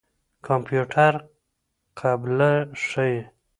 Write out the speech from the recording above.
کمپيوټر قبله ښيي.